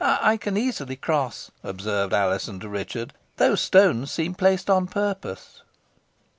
"I can easily cross," observed Alizon to Richard. "Those stones seem placed on purpose."